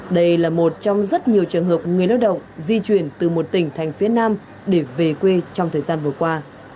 đây là một trong rất nhiều trường hợp người lao động di chuyển từ một tỉnh thành phía nam để về quê trong thời gian vừa qua